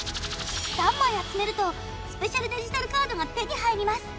３枚集めるとスペシャルデジタルカードが手に入ります